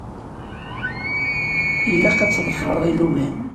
Ilaq ad tḍefṛeḍ ilugan.